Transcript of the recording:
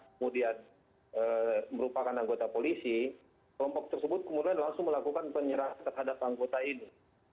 kemudian merupakan anggota polisi kelompok tersebut kemudian langsung melakukan penyerangan terhadap anggota ini